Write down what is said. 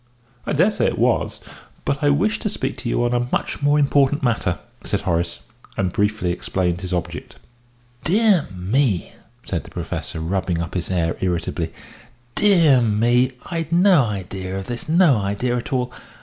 "I dare say it was, but I wished to speak to you on a much more important matter;" and Horace briefly explained his object. "Dear me," said the Professor, rubbing up his hair irritably, "dear me! I'd no idea of this no idea at all.